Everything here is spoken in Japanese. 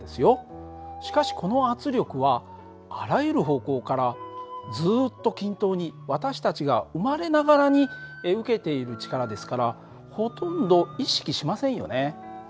しかしこの圧力はあらゆる方向からずっと均等に私たちが生まれながらに受けている力ですからほとんど意識しませんよね。